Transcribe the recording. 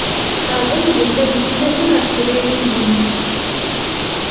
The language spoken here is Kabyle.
Faḍil yella yettnadi ɣef tririyin.